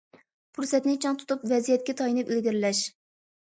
پۇرسەتنى چىڭ تۇتۇپ، ۋەزىيەتكە تايىنىپ ئىلگىرىلەش.